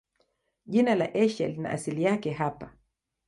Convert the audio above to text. Jina la Asia lina asili yake hapa.